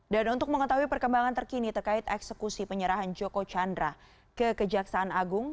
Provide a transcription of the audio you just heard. dan untuk mengetahui perkembangan terkini terkait eksekusi penyerahan joko chandra ke kejaksaan agung